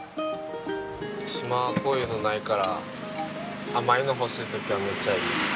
島こういうのないから甘いの欲しい時はむっちゃいいです。